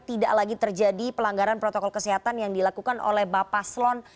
tidak lagi terjadi pelanggaran protokol kesehatan yang dilakukan oleh bapak slon